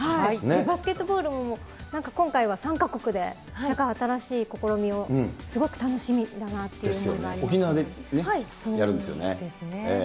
バスケットボールも、今回は３か国で新しい試みを、すごく楽しみだなというのがあり沖縄でね、やるんですよね。